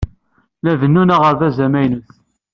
La bennun aɣerbaz amaynut.